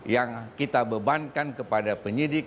yang kita bebankan kepada penyidik